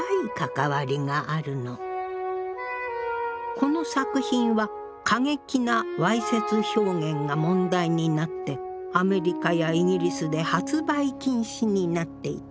この作品は過激なわいせつ表現が問題になってアメリカやイギリスで発売禁止になっていた。